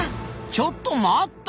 ちょっと待った！